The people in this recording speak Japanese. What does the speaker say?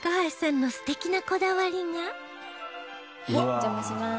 お邪魔します。